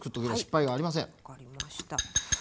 分かりました。